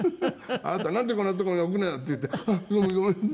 「あなたなんでこんな所に置くのよ」って言って「あっごめんごめん」って。